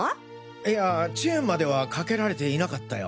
いやチェーンまではかけられていなかったよ。